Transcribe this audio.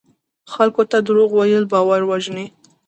خلکو ته دروغ ویل باور وژني.